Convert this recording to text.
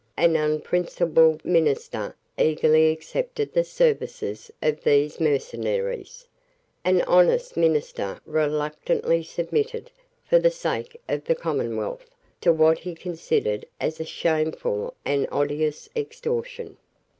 An unprincipled minister eagerly accepted the services of these mercenaries. An honest minister reluctantly submitted, for the sake of the commonwealth, to what he considered as a shameful and odious extortion.